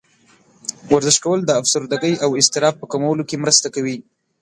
ورزش کول د افسردګۍ او اضطراب په کمولو کې مرسته کوي.